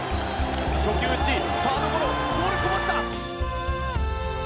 初球打ちサードゴロボールこぼした！